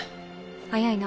早いな。